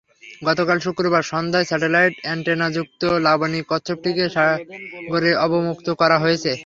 গতকাল শুক্রবার সন্ধ্যায় স্যাটেলাইট অ্যানটেনাযুক্ত লাবণি কচ্ছপটিকে সাগরে অবমুক্ত করা হয়েছে।